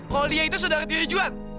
kalau lia itu saudara diri juan